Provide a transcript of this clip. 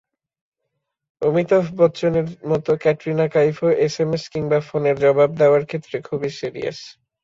অমিতাভ বচ্চনের মতো ক্যাটরিনা কাইফও এসএমএস কিংবা ফোনের জবাব দেওয়ার ক্ষেত্রে খুবই সিরিয়াস।